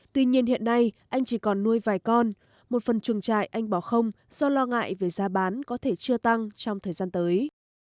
tuy nhiên hiện nay anh chỉ còn nuôi vài con một phần chuồng trại anh bỏ không do lo ngại về giá bán có thể chưa tăng trong thời gian tới